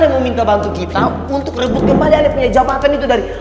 meminta bantu kita untuk rebut kembali punya jawaban itu dari